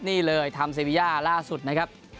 นี่เลยทำเซวิย่าล่าสุดนะครับ